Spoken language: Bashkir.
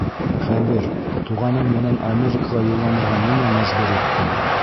— Хәбир, туғаның менән Америкаға юлланырға нимә мәжбүр итте?